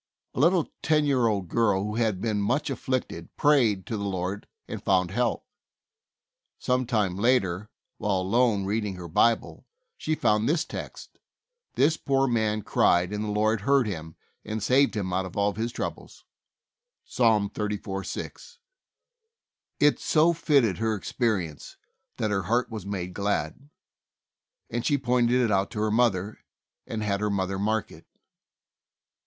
A little ten year old girl, who had been much afflicted, prayed to the Lord and found help. Some time later, while alone reading her Bible, she found this text : "This poor man cried and the Lord heard him, and saved him out of all his troubles." (Ps. 34: 6.) It so fitted her experience that her heart was made glad, and she pointed it out to her mother, and had her mother mark it.